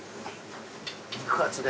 肉厚で。